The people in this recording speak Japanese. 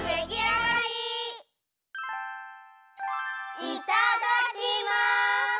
いただきます！